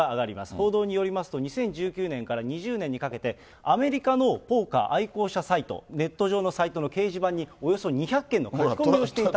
報道によりますと、２０１９年から２０年にかけて、アメリカのポーカー愛好家サイト、ネット上のサイトの掲示板に、およそ２００件の書き込みをしていた。